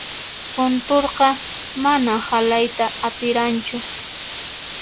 Kunturqa mana halayta atiranchu.